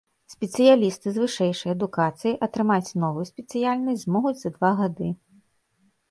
Спецыялісты з вышэйшай адукацыяй атрымаць новую спецыяльнасць змогуць за два гады.